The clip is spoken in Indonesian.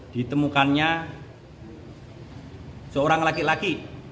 ditemukannya seorang laki laki